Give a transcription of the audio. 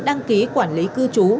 đăng ký quản lý cư chú